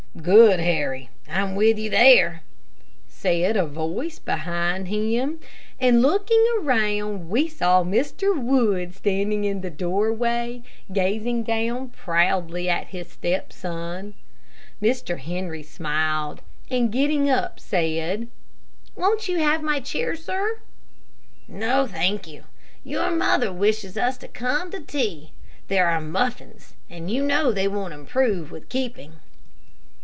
"Good, Harry I'm with you there," said a voice behind him, and looking around, we saw Mr. Wood standing in the doorway, gazing down proudly at his step son. Mr. Harry smiled, and getting up, said, "Won't you have my chair, sir?" "No, thank you; your mother wishes us to come to tea. There are muffins, and you know they won't improve with keeping."